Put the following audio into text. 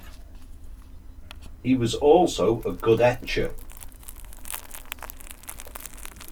He was also a good etcher.